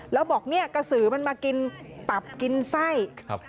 แล้วบอกเนี่ยกระสือมันมากินตับกินไส้